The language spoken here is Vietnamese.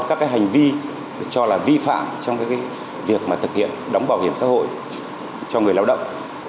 các hành vi được cho là vi phạm trong việc thực hiện đóng bảo hiểm xã hội cho người lao động